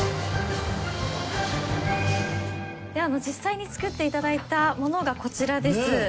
実際に作っていただいたものがこちらです。